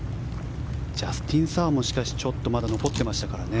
ジャスティン・サーも、しかしちょっとまだ残っていましたからね。